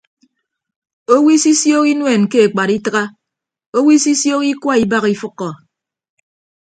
Owo isisioho inuen ke ekpat itịgha owo isisioho ikua ibak ifʌkkọ.